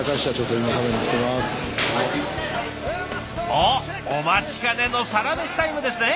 おっお待ちかねのサラメシタイムですね。